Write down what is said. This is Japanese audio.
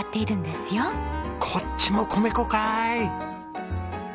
こっちも米粉かーい！